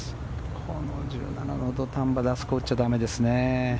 この１７の土壇場であそこ打っちゃ駄目ですね。